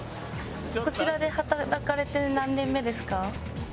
こちらで働かれて何年目ですか？